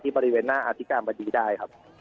บริเวณหน้าอธิการบดีได้ครับ